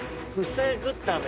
防ぐため？